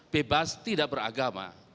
bebas tidak beragama